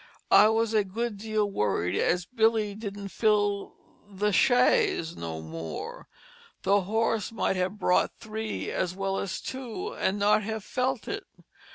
I was a good deal worried as Billey didn't fill the chaise no more, the horse might have brought three as well as two & not have felt it.